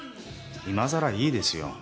今さらいいですよ。